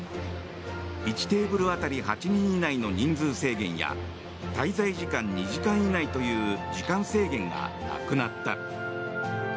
１テーブル当たり８人以内の人数制限や滞在時間２時間以内という時間制限がなくなった。